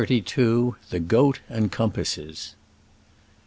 THE GOAT AND COMPASSES.